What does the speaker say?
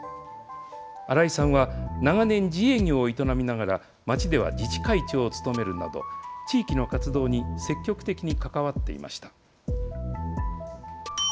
荒井さんは、長年自営業を営みながら、町では自治会長を務めるなど、地域の活動に積極的に関わっていました。